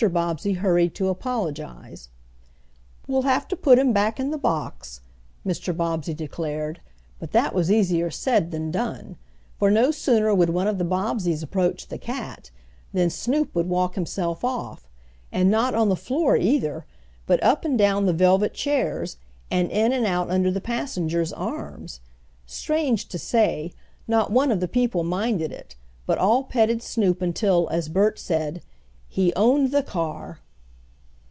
Bobbsey hurried to apologize. "We'll have to put him back in the box," Mr. Bobbsey declared, but that was easier said than done, for no sooner would one of the Bobbseys approach the cat than Snoop would walk himself off. And not on the floor either, but up and down the velvet chairs, and in and out under the passengers' arms. Strange to say, not one of the people minded it, but all petted Snoop until, as Bert said, "He owned the car."